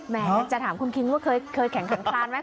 แม้จะถามคุณคิงว่าเคยแข่งขันคลานไหม